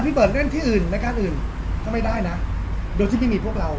พี่เบิร์ดเล่นที่อื่นรายการอื่นก็ไม่ได้นะเดี๋ยวชิคกี้พีพวกเรา